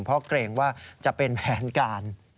เพราะเกรงว่าจะเป็นแผนการ